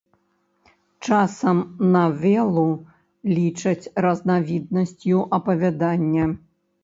Часам навелу лічаць разнавіднасцю апавядання.